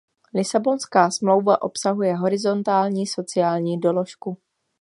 Lisabonská smlouva obsahuje horizontální sociální doložku.